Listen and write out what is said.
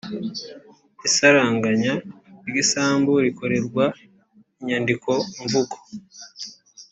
isaranganya ry isambu rikorerwa inyandikomvugo